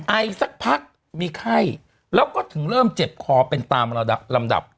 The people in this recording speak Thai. ไอสักพักมีไข้แล้วก็ถึงเริ่มเจ็บคอเป็นตามลำดับ